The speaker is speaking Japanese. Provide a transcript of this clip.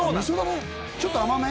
ちょっと甘め？